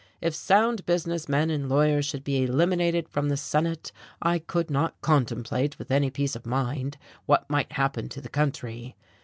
If sound business men and lawyers should be eliminated from the Senate, I could not contemplate with any peace of mind what might happen to the country.